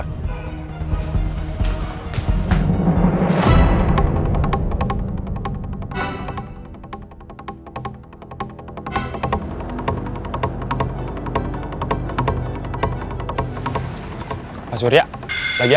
hanya ada yang bisa dikira